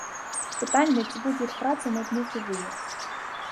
Пытанне, ці будзе іх праца мець нейкі вынік.